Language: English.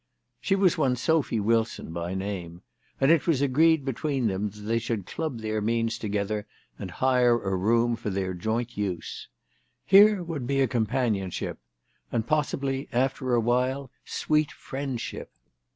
She was one Sophy Wilson by name, and it was agreed between them that they should club their means together and hire a room for their joint use. Here would be a companionship, and possibly, after awhile, sweet friendship.